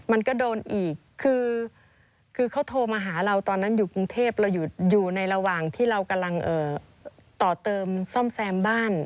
มันก็โดนอีกคือเขาโทรมาหาเราตอนนั้นอยู่กรุงเทพเราอยู่ในระหว่างที่เรากำลังต่อเติมซ่อมแซมบ้าน